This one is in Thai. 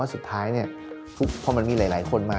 สุดท้ายเนี่ยพอมันมีหลายคนมา